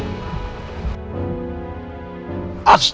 mana coba kita berangkat solat baru ini